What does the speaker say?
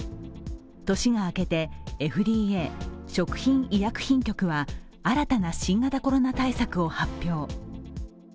年が明けてＦＤＡ＝食品医薬品局は、新たな新型コロナ対策を発表。